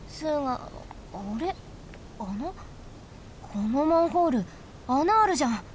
このマンホール穴あるじゃん。